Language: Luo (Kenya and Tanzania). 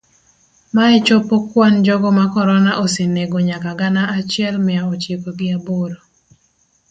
Mae chopo kwan jogo ma corona osenego nyaka gana achiel mia ochiko gi aboro.